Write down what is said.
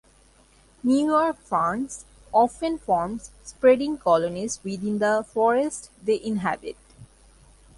New York ferns often forms spreading colonies within the forests they inhabit.